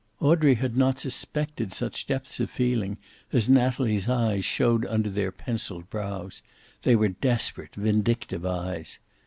Audrey had not suspected such depths of feeling as Natalie's eyes showed under their penciled brows. They were desperate, vindictive eyes.